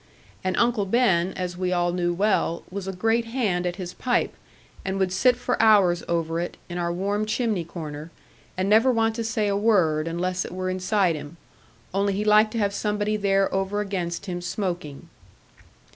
And Uncle Ben, as we all knew well, was a great hand at his pipe, and would sit for hours over it, in our warm chimney corner, and never want to say a word, unless it were inside him; only he liked to have somebody there over against him smoking.